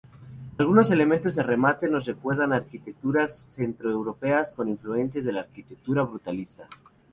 Algunos elementos de remate nos recuerdan arquitecturas centroeuropeas con influencias de la arquitectura brutalista.